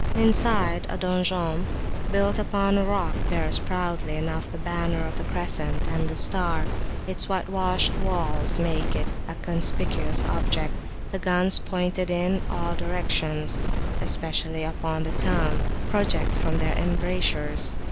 Inside, a donjon, built upon a rock, bears proudly enough the banner of the Crescent and the Star; its whitewashed walls make it a conspicuous object, and guns pointed in all directions, especially upon the town, project from their embrasures.